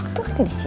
itu kan disitu